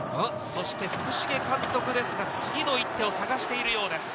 福重監督ですが、次の一手を探してるようです。